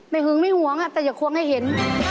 หึงไม่หวงแต่อย่าควงให้เห็น